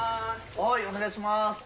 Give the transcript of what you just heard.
はい、お願いします。